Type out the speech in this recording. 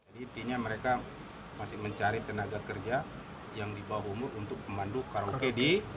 jadi intinya mereka masih mencari tenaga kerja yang di bawah umur untuk pemandu karong kd